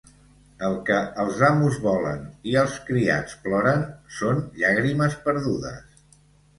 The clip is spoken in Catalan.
El que els amos volen i els criats ploren, són llàgrimes perdudes.